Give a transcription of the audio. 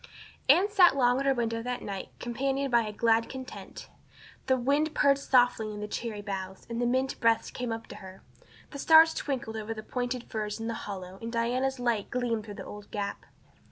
Anne sat long at her window that night companioned by a glad content. The wind purred softly in the cherry boughs, and the mint breaths came up to her. The stars twinkled over the pointed firs in the hollow and Diana's light gleamed through the old gap.